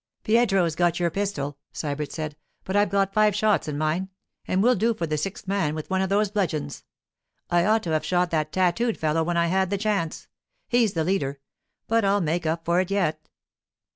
'Pietro's got your pistol,' Sybert said. 'But I've got five shots in mine, and we'll do for the sixth man with one of those bludgeons. I ought to have shot that tattooed fellow when I had the chance—he's the leader—but I'll make up for it yet.